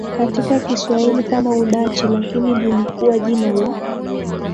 katika Kiswahili kama Udachi lakini lilikuwa jina la